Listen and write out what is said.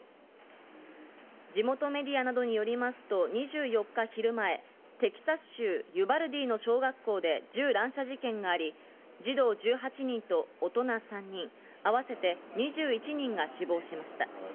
地元メディアなどによりますと２４日昼前、テキサス州ユバルディの小学校で銃乱射事件があり、児童１８人と大人３人、あわせて２１人が死亡しました。